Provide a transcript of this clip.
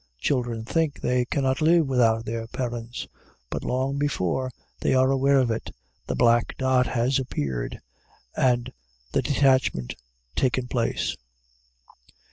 Children think they cannot live without their parents. But long before they are aware of it, the black dot has appeared, and the detachment taken place.